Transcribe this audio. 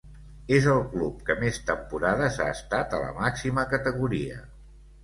És el club que més temporades ha estat a la màxima categoria.